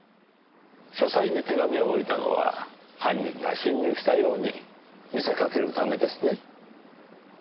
書斎に手紙を置いたのは犯人が侵入したように見せかけるためですね？